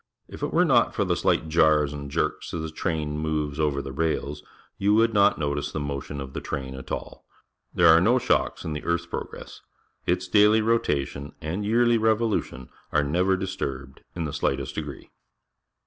If it were not for the shght jars and jerks as the train moves over the rails, you would not notice the motion of the train at all. There are no shocks in the earth's progress; its daily rotation and yearly revolution are never disturbed in the slightest degree.